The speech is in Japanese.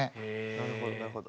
なるほどなるほど。